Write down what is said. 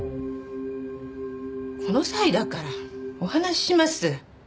この際だからお話しします。